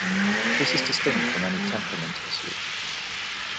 This is distinct from any temperament issue.